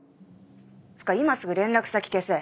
今すぐ連絡先消せ。